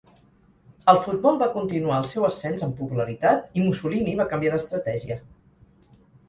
El futbol va continuar el seu ascens en popularitat i Mussolini va canviar d'estratègia.